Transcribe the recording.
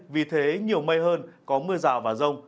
vì thế nhiều mây hơn có mưa rào và rông